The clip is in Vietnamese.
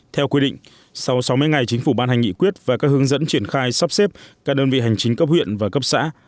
theo quy định sau sáu mươi ngày chính phủ ban hành nghị quyết và các hướng dẫn triển khai sắp xếp các đơn vị hành chính cấp huyện và cấp xã